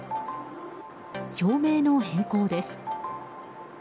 照明の変更です。